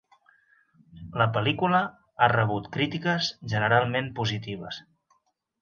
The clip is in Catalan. La pel·lícula ha rebut crítiques generalment positives.